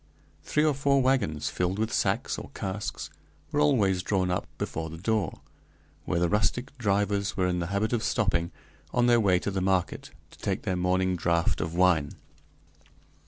Three or four wagons, filled with sacks or casks, were always drawn up before the door, where the rustic drivers were in the habit of stopping, on their way to the market, to take their morning draught of wine.